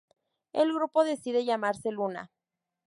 El grupo decide llamarse Luna.